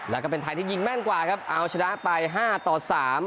แล้วก็เป็นไทยที่ยิงแม่นกว่าครับเอาชนะไปห้าต่อสาม